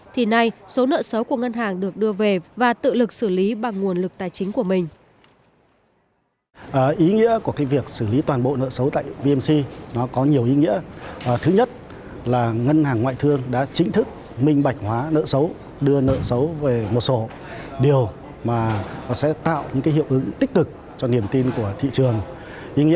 thì nay số nợ xấu của ngân hàng được đưa về và tự lực xử lý bằng nguồn lực tài chính của mình